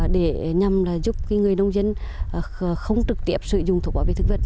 để nhằm giúp người nông dân không trực tiếp sử dụng thuốc bảo vệ thực vật